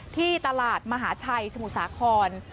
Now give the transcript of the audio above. ที่ตลาดมหาชัยสมุทรสาคร